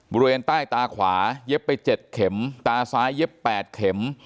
บริเวณใต้ตาขวาเย็บไป๗เข็มตาซ้ายเย็บ๘เข็ม